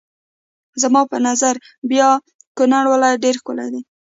زما په نظر بیا کونړ ولایت ډېر ښکلی دی.